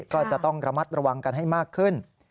ก็จะต้องระมัดระวังกันให้มากขึ้น